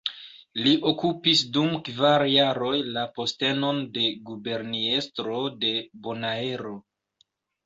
Li okupis dum kvar jaroj la postenon de Guberniestro de Bonaero.